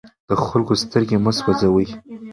د خلکو سترګې مه سوځوئ.